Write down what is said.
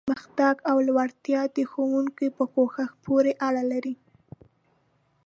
پرمختګ او لوړتیا د ښوونکو په کوښښ پورې اړه لري.